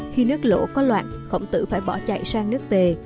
khi nước lỗ có loạn khổng tử phải bỏ chạy sang nước tề